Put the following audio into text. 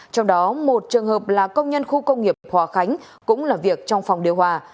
trong đó một trường hợp là công nhân khu công nghiệp hòa khánh cũng làm việc trong phòng điều hòa